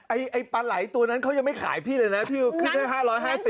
ไอ้ปลาไหล่ตัวนั้นเขายังไม่ขายพี่เลยนะพี่ขึ้นให้๕๕๐